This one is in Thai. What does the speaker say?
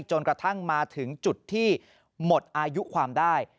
จนกระทั่งมาถึงจุดที่หมดอายุความได้